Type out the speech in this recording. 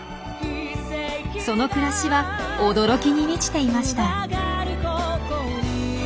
その暮らしは驚きに満ちていました。